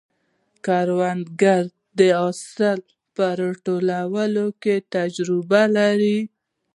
کروندګر د حاصل په راټولولو کې تجربه لري